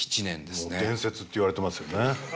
もう伝説って言われてますよね。